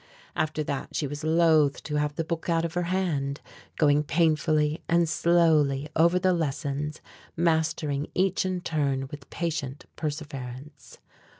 After that she was loath to have the book out of her hand, going painfully and slowly over the lessons, mastering each in turn with patient perseverance.